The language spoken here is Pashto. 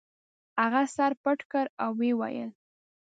هغه سر پټ کړ او ویې ویل.